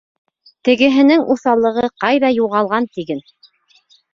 Тегеһенең уҫаллығы ҡайҙа юғалған тиген!